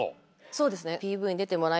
そうですね。